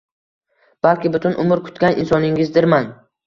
- Balki butun umr kutgan insoningizdirman?!